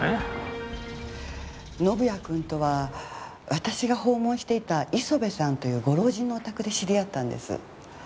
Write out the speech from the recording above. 宣也君とは私が訪問していた磯部さんというご老人のお宅で知り合ったんです。